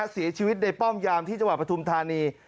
เสียชีวิตในป้อมยามที่จังหวัดปฐุมธานี